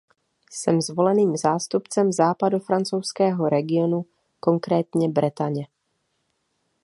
Jsem zvoleným zástupcem západofrancouzského regionu, konkrétně Bretaně.